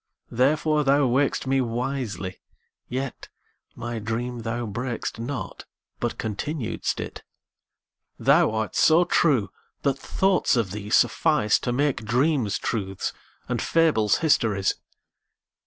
Therefore thou waked'st me wisely; yetMy dream thou brak'st not, but continued'st it:Thou art so true that thoughts of thee sufficeTo make dreams truths and fables histories.